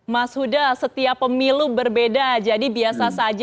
mas huda setiap pemilu berbeda jadi biasa saja